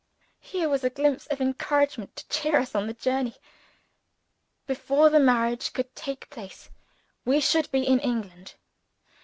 Here was a glimpse of encouragement to cheer us on the journey. Before the marriage could take place, we should be in England.